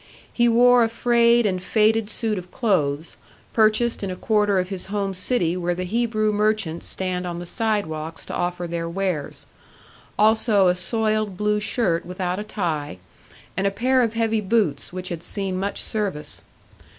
He wore a frayed and faded suit of clothes, purchased in a quarter of his home city where the Hebrew merchants stand on the sidewalks to offer their wares; also a soiled blue shirt without a tie, and a pair of heavy boots which had seen much service.